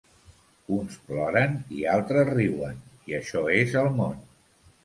Uns ploren i altres riuen, i això és el món.